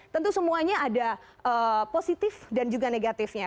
tentu semuanya ada positif dan juga negatifnya